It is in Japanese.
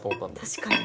◆確かに。